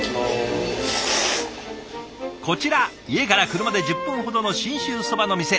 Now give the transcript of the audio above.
こちら家から車で１０分ほどの信州そばの店。